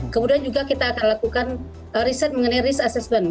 kemudian juga kita akan lakukan riset mengenai risk assessment